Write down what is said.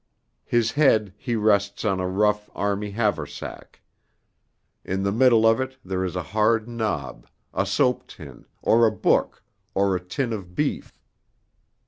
His head he rests on a rough army haversack. In the middle of it there is a hard knob, a soap tin, or a book, or a tin of beef.